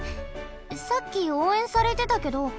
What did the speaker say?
さっきおうえんされてたけどどうしたの？